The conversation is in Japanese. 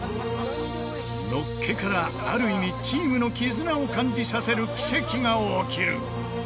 のっけからある意味チームの絆を感じさせる奇跡が起きる！